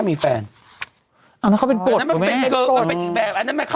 มันเหมือนอ่ะ